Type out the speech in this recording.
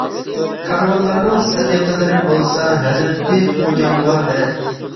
كارۋانلارنىڭ سەدىقىلىرى بولسا، ھەزرىتى خوجامغا بېرەتتى.